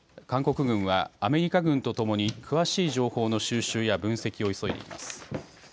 韓国軍はアメリカ軍とともに詳しい情報の収集や分析を急いでいます。